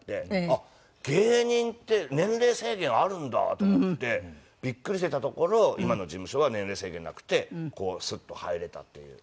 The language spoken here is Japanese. あっ芸人って年齢制限あるんだと思ってびっくりしていたところ今の事務所は年齢制限なくてスッと入れたっていう。